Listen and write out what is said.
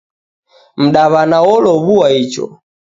Mdawana olowua icho